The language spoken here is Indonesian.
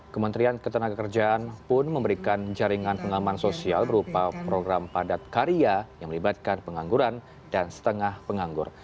kementerian ketenagakerjaan pun memberikan jaringan pengaman sosial berupa program padat karya yang melibatkan pengangguran dan setengah penganggur